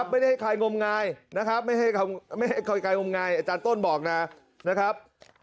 ไม่ได้ให้ใครงมงายอาจารย์ต้นบอกนะครับ